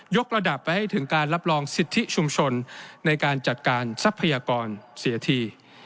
กระดับไปให้ถึงการรับรองสิทธิชุมชนในการจัดการทรัพยากรเสียที